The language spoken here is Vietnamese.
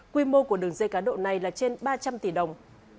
quy mô của đường dây cá độ này là trên ba trăm linh tỷ đồng